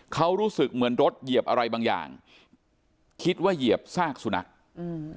เขารู้สึกเหมือนรถเหยียบอะไรบางอย่างคิดว่าเหยียบซากสุนัขอืม